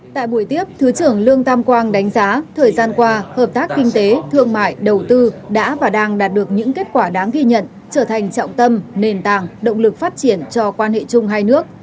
tại buổi tiếp thứ trưởng lương tam quang đánh giá thời gian qua hợp tác kinh tế thương mại đầu tư đã và đang đạt được những kết quả đáng ghi nhận trở thành trọng tâm nền tảng động lực phát triển cho quan hệ chung hai nước